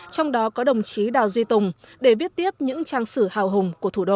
trong đó có đồng chí đào duy tùng để viết tiếp những trang sử hào hùng của thủ đô